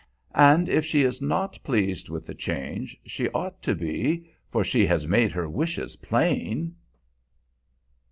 And if she is not pleased with the change, she ought to be, for she has made her wishes plain.